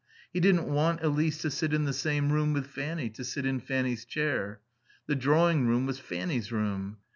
He didn't want Elise to sit in the same room with Fanny, to sit in Fanny's chair. The drawing room was Fanny's room.